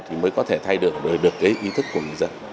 thì mới có thể thay đổi được cái ý thức của người dân